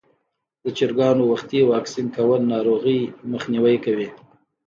د چرګانو وختي واکسین کول ناروغۍ مخنیوی کوي.